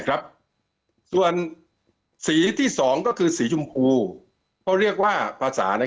ครับส่วนสีที่สองก็คือสีชมพูเขาเรียกว่าภาษาใน